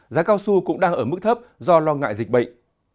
giá cao su cũng đang ở mức thấp do lo ngại dịch bệnh